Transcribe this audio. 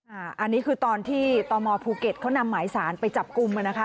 อันนี้คือตอนที่ตมภูเก็ตเขานำหมายสารไปจับกลุ่มนะคะ